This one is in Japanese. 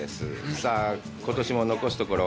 さあ、ことしも残すところ